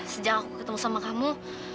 sejak aku ketemu sama kamu